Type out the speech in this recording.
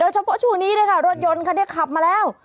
โดยเฉพาะช่วงนี้เนี่ยค่ะรถยนต์ค่ะเนี่ยขับมาแล้ว